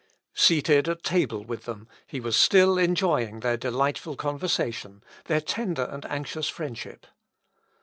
Seated at table with them, he was still enjoying their delightful conversation, their tender and anxious friendship.